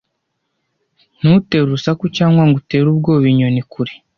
Ntutere urusaku cyangwa ngo utere ubwoba inyoni kure.